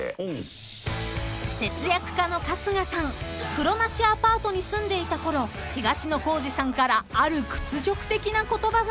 風呂なしアパートに住んでいた頃東野幸治さんからある屈辱的な言葉が］